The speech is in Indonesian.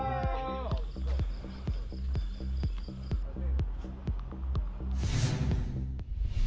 d pertulung wbc